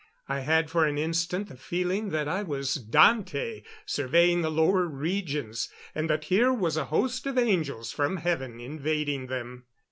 I had, for an instant, the feeling that I was Dante, surveying the lower regions, and that here was a host of angels from heaven invading them.